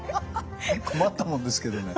困ったもんですけどね。